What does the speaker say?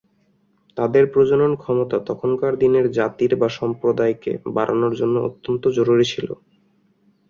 তাদের প্রজনন ক্ষমতা তখনকার দিনে জাতির বা সম্প্রদায় কে বাড়ানোর জন্যে অত্যন্ত জরুরি ছিল।